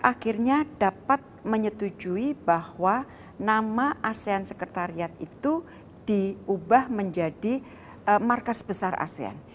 akhirnya dapat menyetujui bahwa nama asean sekretariat itu diubah menjadi markas besar asean